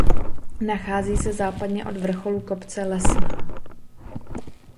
Nachází se západně od vrcholu kopce Lesná.